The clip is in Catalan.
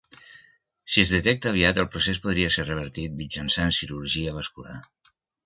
Si es detecta aviat, el procés podria ser revertit mitjançant cirurgia vascular.